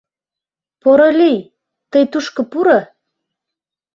Порылий, Тый тушко пуро».